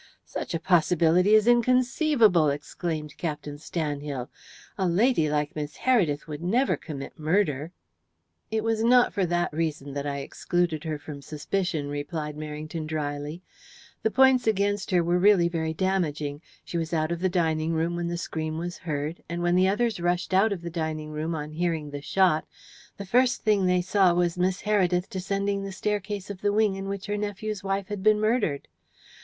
"Such a possibility is inconceivable," exclaimed Captain Stanhill. "A lady like Miss Heredith would never commit murder." "It was not for that reason that I excluded her from suspicion," replied Merrington drily. "The points against her were really very damaging. She was out of the dining room when the scream was heard, and when the others rushed out of the dining room on hearing the shot, the first thing they saw was Miss Heredith descending the staircase of the wing in which her nephew's wife had been murdered.